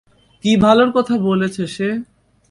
কি ভালোর কথা বলেছে সে?